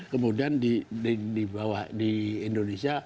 kemudian dibawa di indonesia